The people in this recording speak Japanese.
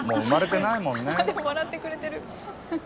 でも笑ってくれてる。